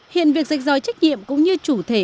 hiện việc dịch dòi trách nhiệm cũng như chủ thể